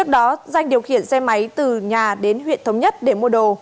danh điều khiển xe máy từ nhà đến huyện thống nhất để mua đồ